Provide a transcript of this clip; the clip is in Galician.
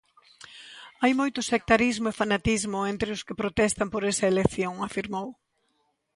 Hai moito sectarismo e fanatismo entre os que protestan por esa elección, afirmou.